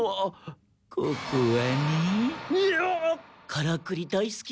カラクリ大すき